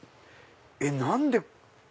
えっ何で？